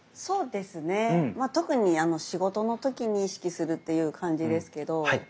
そうですね特に仕事の時に意識するという感じですけど。